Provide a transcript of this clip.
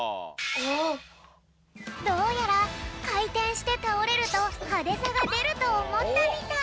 どうやらかいてんしてたおれるとハデさがでるとおもったみたい。